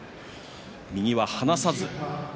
右は離さず。